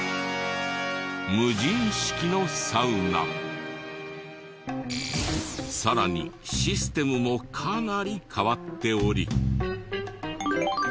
ここはさらにシステムもかなり変わっており。